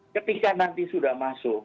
ketika nanti sudah masuk